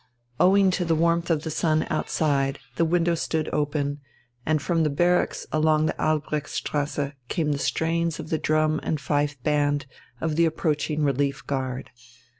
Owing to the warmth of sun outside the window stood open, and from the barracks along the Albrechtstrasse came the strains of the drum and fife band of the approaching relief guard.